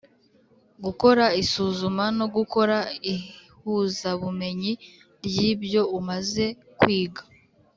gukora isuzuma no gukora ihuzabumenyi ry’ibyo umaze kwiga